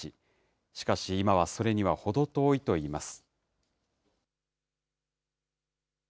しかし今は、それには程遠いといいます。